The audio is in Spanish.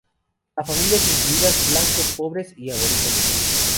A familias incluidas blancos pobres y aborígenes.